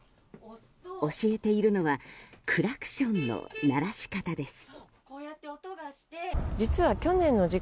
教えているのはクラクションの鳴らし方です。